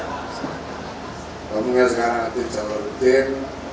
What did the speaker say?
ngomongnya sekarang adit jawa rukin